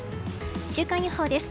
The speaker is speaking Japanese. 週間予報です。